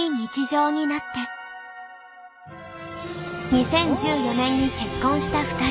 ２０１４年に結婚した２人。